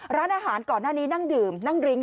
ร้านอาหารก่อนหน้านี้นั่งดื่มนั่งริ้ง